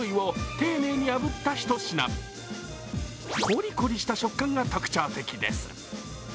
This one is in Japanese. こりこりした食感が特徴的です。